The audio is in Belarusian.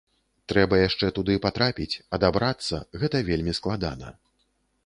Трэба яшчэ туды патрапіць, адабрацца, гэта вельмі складана.